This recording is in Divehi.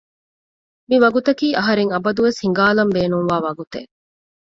މިވަގުތަކީ އަހަރެން އަބަދުވެސް ހިނގާލަން ބޭނުންވާ ވަގުތެއް